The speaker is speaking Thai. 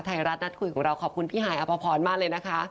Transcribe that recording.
ไทยรัฐนัดคุยของเราขอบคุณพี่ฮายอภพรมากเลยนะคะ